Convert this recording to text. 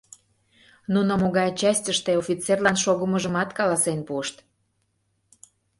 Нуно могай частьыште офицерлан шогымыжымат каласен пуышт.